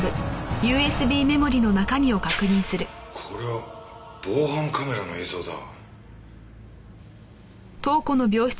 これは防犯カメラの映像だ。